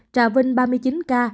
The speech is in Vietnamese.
trà vinh ba một mươi chín ca